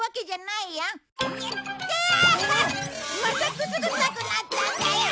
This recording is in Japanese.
またくすぐったくなったんだよ。